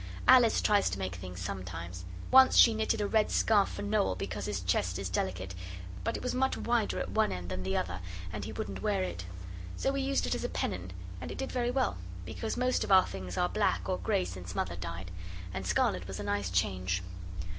Alice tries to make things sometimes. Once she knitted a red scarf for Noel because his chest is delicate, but it was much wider at one end than the other, and he wouldn't wear it. So we used it as a pennon, and it did very well, because most of our things are black or grey since Mother died; and scarlet was a nice change.